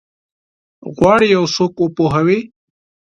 غواړي یو څوک وپوهوي؟